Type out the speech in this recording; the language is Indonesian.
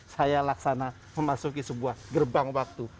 saya laksana memasuki sebuah gerbang waktu